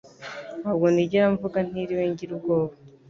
Ntabwo nigera mvuga ntiriwe ngira ubwoba.